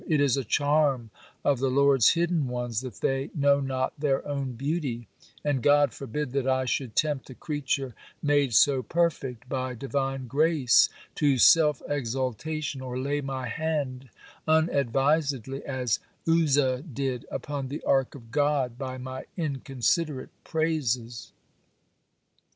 It is a charm of the Lord's hidden ones that they know not their own beauty; and God forbid that I should tempt a creature made so perfect by divine grace, to self exultation, or lay my hand, unadvisedly, as Uzzah did, upon the ark of God, by my inconsiderate praises.